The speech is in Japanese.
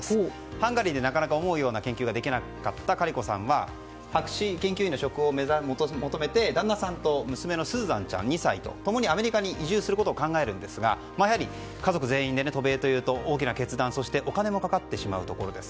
ハンガリーでなかなか思うような研究ができなかったカリコさんは博士研究員の職を求めて旦那さんと娘のスーザンちゃん、２歳と共にアメリカに移住することを考えるんですがやはり家族全員で渡米というと、大きな決断お金もかかってしまいます。